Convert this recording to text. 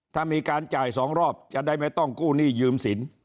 ถ้ามีการจ่าย๒รอบจะได้ไม่ต้องกู้หนี้ยืมสิน